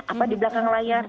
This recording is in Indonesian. apa di belakang layar